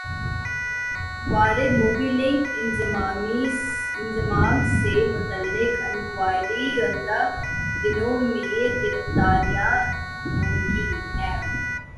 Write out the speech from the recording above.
واردموبی link انضمام سے متعلق انکوائری ئندہ دنوں میں گرفتاریاں ہوں گی نیب